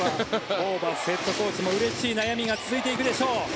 ホーバスヘッドコーチもうれしい悩みが続いていくでしょう。